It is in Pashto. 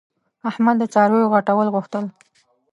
احمد د څارویو غټول غوښتل.